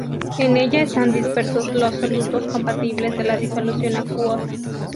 En ella están dispersos los solutos compatibles de la Disolución acuosa.